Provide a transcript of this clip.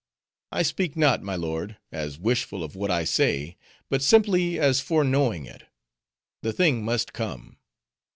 I speak not, my lord, as wishful of what I say, but simply as foreknowing it. The thing must come.